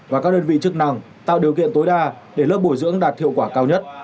và các đơn vị chức năng tạo điều kiện tối đa để lớp bồi dưỡng đạt hiệu quả cao nhất